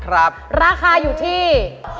ราคาอยู่ที่